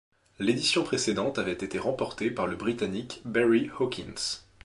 L'édition précédente avait été remportée par le Britannique Barry Hawkins.